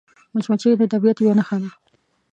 مچمچۍ د طبیعت یوه نښه ده